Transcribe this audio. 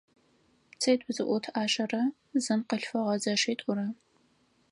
ЦитӀу зыӀут Ӏашэрэ зын къылъфыгъэ зэшитӀурэ.